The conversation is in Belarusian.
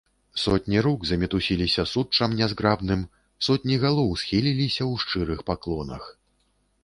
Сотні рук замітусіліся суччам нязграбным, сотні галоў схіліліся ў шчырых паклонах.